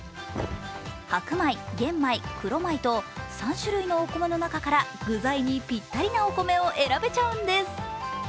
白米・玄米・黒米と３種類のお米の中から具材にぴったりなお米を選べちゃうんです。